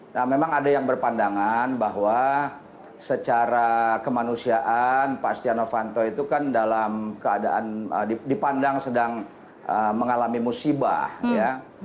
nah memang ada yang berpandangan bahwa secara kemanusiaan pak setia novanto itu kan dalam keadaan dipandang sedang mengalami musibah ya